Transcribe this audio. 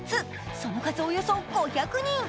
その数およそ５００人。